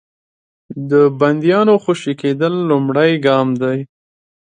د بندیانو خوشي کېدل لومړی ګام دی.